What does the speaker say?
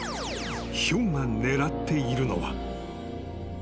［ヒョウが狙っているのは］